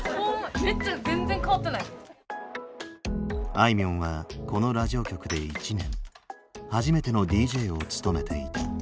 あいみょんはこのラジオ局で１年初めてのＤＪを務めていた。